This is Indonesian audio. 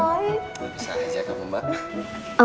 ya makasih mbak